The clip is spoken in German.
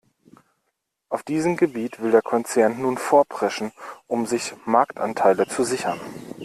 Auf diesem Gebiet will der Konzern nun vorpreschen, um sich Marktanteile zu sichern.